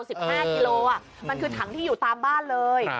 ๑๕กิโลกรัมมันคือถังที่อยู่ตามบ้านเลย